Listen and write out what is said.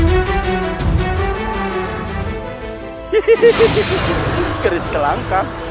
hehehe kris kelangkang